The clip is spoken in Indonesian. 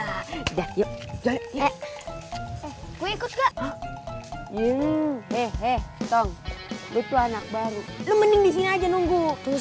hai udah yuk ya eh keikut ke ini hehehe tong betul anak baru lemening disini aja nunggu